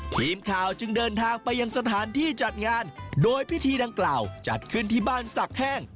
ทีมข่าวจึงเดินทางไปยังสถานที่จัดงานโดยพิธีดังกล่าวจัดขึ้นที่บ้านสักแห้ง